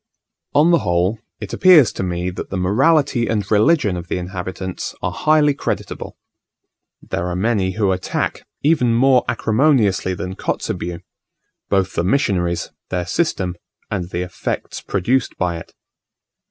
On the whole, it appears to me that the morality and religion of the inhabitants are highly creditable. There are many who attack, even more acrimoniously than Kotzebue, both the missionaries, their system, and the effects produced by it.